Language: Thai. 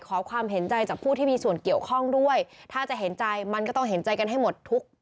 ขอความเห็นใจจากผู้ที่มีส่วนเกี่ยวข้องด้วยถ้าจะเห็นใจมันก็ต้องเห็นใจกันให้หมดทุก